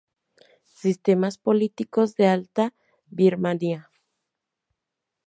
Sistemas políticos de Alta Birmania